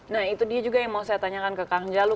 nah itu dia juga yang mau saya tanyakan ke kang jalu